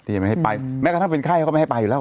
ยังไม่ให้ไปแม้กระทั่งเป็นไข้เขาก็ไม่ให้ไปอยู่แล้ว